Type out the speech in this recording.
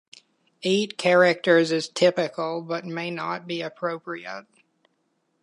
Eight characters is typical but may not be appropriate.